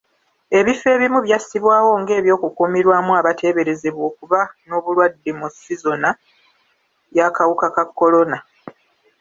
Ebifo ebimu byassibwawo ng'eby'okukuumirwamu abateeberezebwa okuba n'obulwadde mu sizona y'akawuka ka kolona.